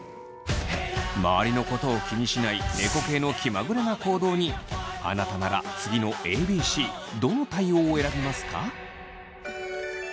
周りのことを気にしない猫系の気まぐれな行動にあなたなら次のＡＢＣどの対応を選びますか？